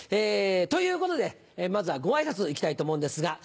ということでまずはご挨拶行きたいと思うんですが。